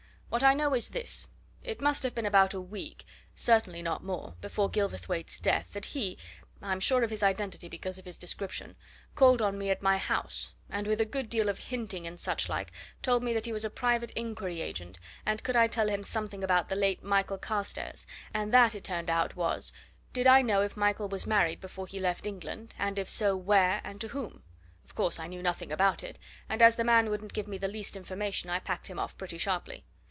What I know is this. It must have been about a week certainly not more before Gilverthwaite's death that he I'm sure of his identity, because of his description called on me at my house, and with a good deal of hinting and such like told me that he was a private inquiry agent, and could I tell him something about the late Michael Carstairs? and that, it turned out, was: Did I know if Michael was married before he left England, and if so, where, and to whom? Of course, I knew nothing about it, and as the man wouldn't give me the least information I packed him off pretty sharply.